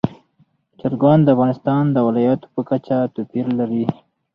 چرګان د افغانستان د ولایاتو په کچه توپیر لري.